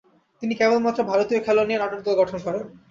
তিনি কেবলমাত্র ভারতীয় খেলোয়াড় নিয়ে নাটোর দল গঠন করেন।